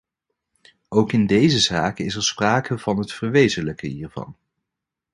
Ook in deze zaak is er sprake van het verwezenlijken hiervan.